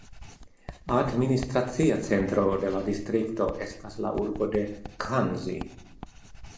Administracia centro de la distrikto estas la urbo de Ghanzi.